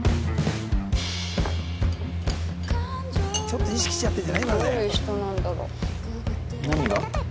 ちょっと意識しちゃってるんじゃない？